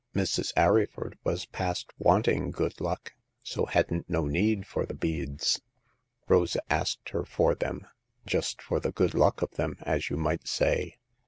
Mrs. Arryford was past wanting good luck, so hadn't no need for the beads. Rosa asked her for them, just for the good luck of them, as you might say.